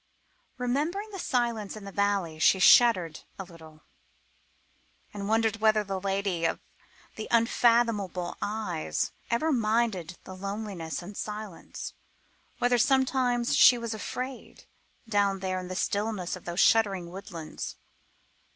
Remembering the silence in the valley, she shuddered a little, and wondered whether the lady of the unfathomable eyes ever minded the loneliness and silence; whether sometimes she was afraid down there in the stillness of those sheltering woodlands.